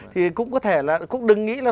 thì cũng có thể là cũng đừng nghĩ là